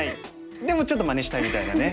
でもちょっとまねしたいみたいなね。